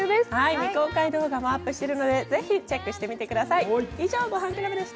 未公開動画もアップしているので、ぜひチェックしてみてください。